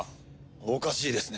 おかしいですね。